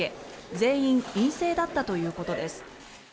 全員陰性だったということです。